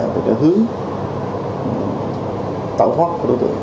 để hứa tạo pháp của đối tượng